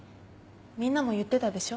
みんなも言ってたでしょ。